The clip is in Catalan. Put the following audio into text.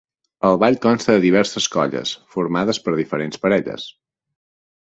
El ball consta de diverses colles, formades per diferents parelles.